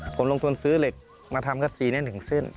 ผมลงทวนซื้อเหล็กมาทำกับสีแน่นถึงเส้น